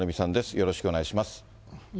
よろしくお願いします。